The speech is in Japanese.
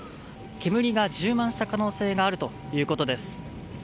煙が充満した可能性があるということです。